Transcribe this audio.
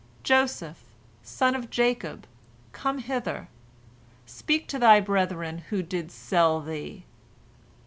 Joseph, son of Jacob, come hither! Speak to thy brethren who did sell thee."